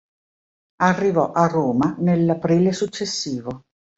Arrivò a Roma nell'aprile successivo.